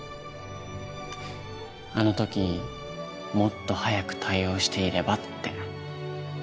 あの時もっと早く対応していればって。